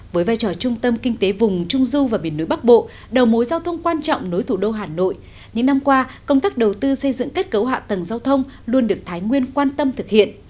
với vai trò trung tâm kinh tế vùng trung du và biển núi bắc bộ đầu mối giao thông quan trọng nối thủ đô hà nội những năm qua công tác đầu tư xây dựng kết cấu hạ tầng giao thông luôn được thái nguyên quan tâm thực hiện